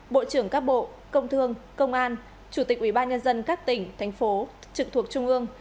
bộ trưởng các bộ công thương công an chủ tịch ubnd các tỉnh thành phố trực thuộc trung ương